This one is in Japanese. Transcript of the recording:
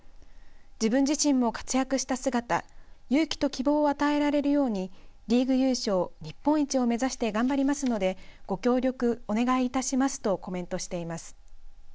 自分自身も活躍した姿勇気と希望を与えられるようにリーグ優勝日本一を目指して頑張りますのでご協力お願いいたしますとコメントしています。